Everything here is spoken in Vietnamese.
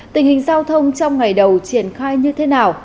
tình hình giao thông trong ngày đầu triển khai như thế nào